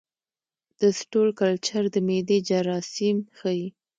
د سټول کلچر د معدې جراثیم ښيي.